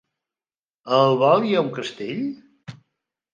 A Albal hi ha un castell?